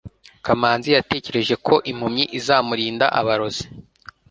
kamanzi yatekereje ko impumyi izamurinda abarozi